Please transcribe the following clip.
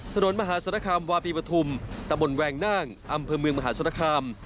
ถนนมหาสารคามวาปีปฐุมตะบนแวงน่างอำเภอเมืองมหาศาลคาม